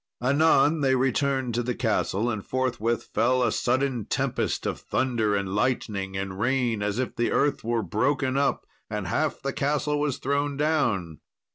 Anon they returned to the castle, and forthwith fell a sudden tempest of thunder and lightning and rain, as if the earth were broken up: and half the castle was thrown down.